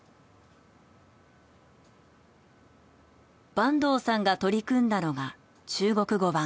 坂東さんが取り組んだのが中国語版。